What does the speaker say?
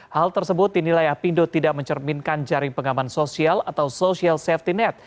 hal tersebut dinilai apindo tidak mencerminkan jaring pengaman sosial atau social safety net